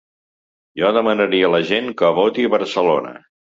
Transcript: Jo demanaria a la gent que voti Barcelona.